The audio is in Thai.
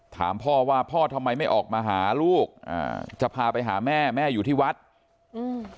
ถามพ่อว่าพ่อทำไมไม่ออกมาหาลูกอ่าจะพาไปหาแม่แม่อยู่ที่วัดอืม